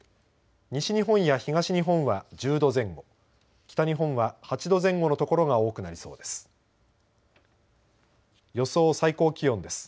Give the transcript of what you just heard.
西日本や東日本は１０度前後北日本は８度前後の所が多くなりそうです。